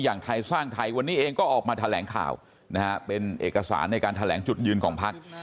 ไทยสร้างไทยวันนี้เองก็ออกมาแถลงข่าวนะฮะเป็นเอกสารในการแถลงจุดยืนของพัก